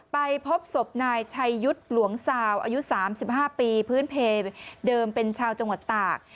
ไปพบศพนายชัยยุทธ์หลวงซาวอายุ๓๕ปีพื้นเพเดิมเป็นชาวจังหวัดตาก